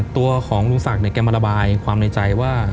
ตัวของลุงศักดิ์แกมาระบายความในใจว่า